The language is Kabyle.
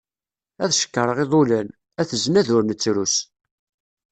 Ad cekkreɣ iḍulan, at znad ur nettrus.